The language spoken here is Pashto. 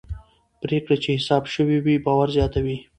پرېکړې چې حساب شوي وي باور زیاتوي